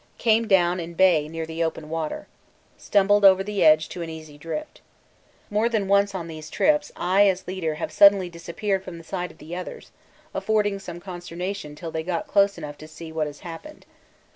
Came down in bay near the open water stumbled over the edge to an easy drift. More than once on these trips I as leader have suddenly disappeared from the sight of the others, affording some consternation till they got close enough to see what has happened.